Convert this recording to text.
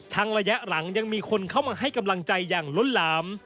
ระยะหลังยังมีคนเข้ามาให้กำลังใจอย่างล้นหลาม